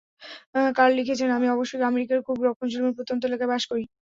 Curl লিখেছেন, আমি অবশ্য আমেরিকার খুব রক্ষণশীল এবং প্রত্যন্ত এলাকায় বাস করি।